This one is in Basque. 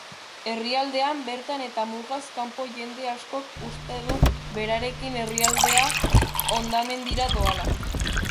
Herrialdean bertan eta mugaz kanpo jende askok uste du berarekin herrialdea hondamendira doala.